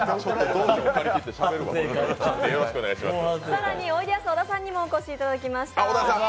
さらにおいでやす小田さんにもお越しいただきました。